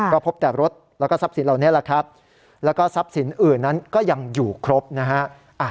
ก็พบแต่รถแล้วก็ทรัพย์สินเหล่านี้แหละครับแล้วก็ทรัพย์สินอื่นนั้นก็ยังอยู่ครบนะฮะ